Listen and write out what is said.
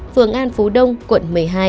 phường an phú đông quận một mươi hai